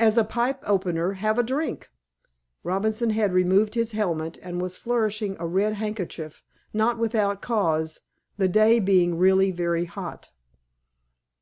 As a pipe opener, have a drink!" Robinson had removed his helmet, and was flourishing a red handkerchief, not without cause, the day being really very hot.